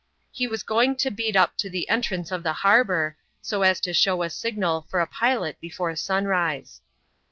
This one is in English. He was going to beat up to the entrance of the harbour, so as to show a signal for a pilot before sunrise.